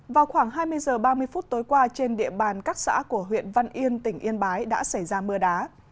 vào khoảng hai mươi h ba mươi phút tối qua trên địa bàn các xã của huyện văn yên tỉnh yên bái đã xảy ra mưa đá